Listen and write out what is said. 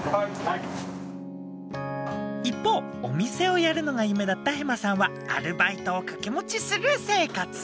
一方お店をやるのが夢だったヘマさんはアルバイトをかけもちする生活。